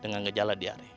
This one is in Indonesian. dengan gejala diare